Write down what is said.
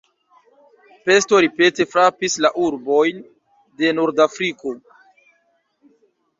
Pesto ripete frapis la urbojn de Nordafriko.